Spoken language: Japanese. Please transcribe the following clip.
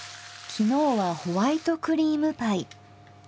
昨日はホワイトクリームパイ。